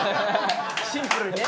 シンプルにね。